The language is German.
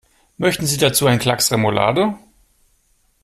Möchten Sie dazu einen Klacks Remoulade?